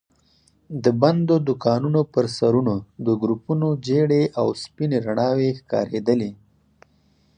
د بندو دوکانونو پر سرونو د ګروپونو ژېړې او سپينې رڼا وي ښکارېدلې.